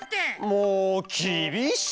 もうきびしい！